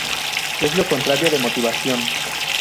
Es lo contrario de motivación.